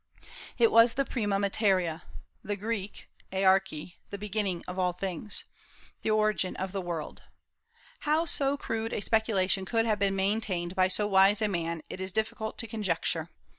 It was the prima materia, the [Greek: archae] the beginning of all things, the origin of the world. How so crude a speculation could have been maintained by so wise a man it is difficult to conjecture.